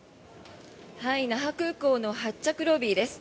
那覇空港の発着ロビーです。